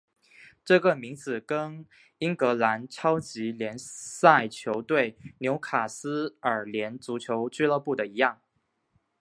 这个名字跟英格兰超级联赛球队纽卡斯尔联足球俱乐部的一样。